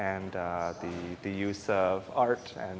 dan penggunaan seni wayang